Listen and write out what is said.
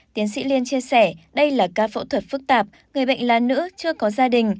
tiến sĩ liên chia sẻ đây là ca phẫu thuật phức tạp người bệnh là nữ chưa có gia đình